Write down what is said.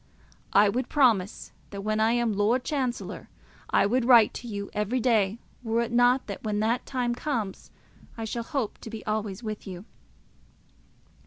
I would promise that when I am Lord Chancellor I would write to you every day, were it not that when that time comes I shall hope to be always with you.